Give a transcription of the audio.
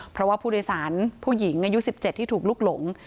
เพราะว่าผู้โดยสารผู้หญิงอายุ๑๗ที่ถูกลุกหลง